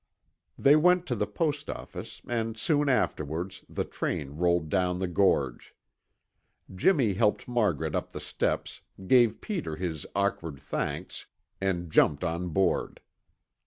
They went to the post office and soon afterwards the train rolled down the gorge. Jimmy helped Margaret up the steps, gave Peter his awkward thanks, and jumped on board.